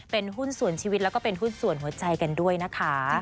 เป็นหุ้นส่วนชีวิตแล้วก็เป็นหุ้นส่วนหัวใจกันด้วยนะคะ